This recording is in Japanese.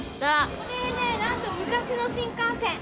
これね何かね昔の新幹線。